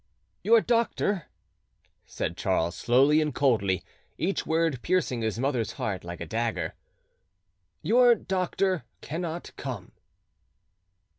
"Your doctor," said Charles slowly and coldly, each word piercing his mother's heart like a dagger,—"your doctor cannot come."